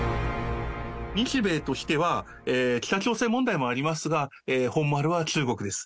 日米としては、北朝鮮問題もありますが、本丸は中国です。